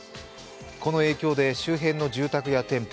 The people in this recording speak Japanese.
この影響で周辺の住宅や店舗